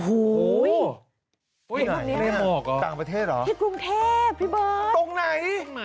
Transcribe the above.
อุ้ยนี่มอกอ่ะที่กรุงเทพฯพี่เบิร์ทตรงไหน